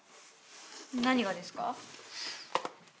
何がですか？